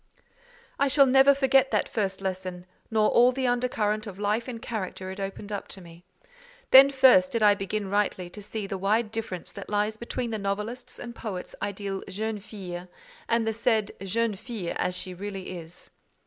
I shall never forget that first lesson, nor all the under current of life and character it opened up to me. Then first did I begin rightly to see the wide difference that lies between the novelist's and poet's ideal "jeune fille" and the said "jeune fille" as she really is.